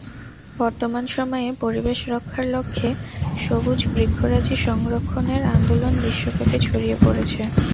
বর্তমান সময়ে পরিবেশ রক্ষার লক্ষ্যে সবুজ বৃক্ষরাজি সংরক্ষণের আন্দোলন বিশ্বব্যাপী ছড়িয়ে পড়েছে।